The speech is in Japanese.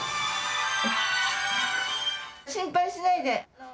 心配しないで。